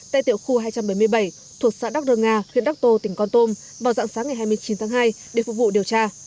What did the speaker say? tại tiểu khu hai trăm bảy mươi bảy thuộc xã đắc rơ nga huyện đắc tô tỉnh con tôm vào dạng sáng ngày hai mươi chín tháng hai để phục vụ điều tra